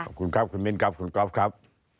ขอบคุณครับคุณมิ้นครับคุณก๊อฟครับ